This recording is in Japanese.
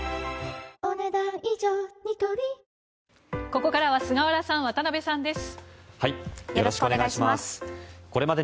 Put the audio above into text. ここからは菅原さん、渡辺さんです。